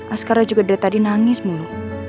askara juga dari tadi nangis mulu